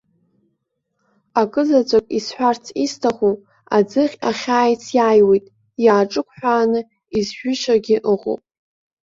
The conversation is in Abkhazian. Акызаҵәык исҳәарц исҭаху аӡыхь ахьааиц иааиуеит, иаҿыгәҳәааны изжәышагьы ыҟоуп.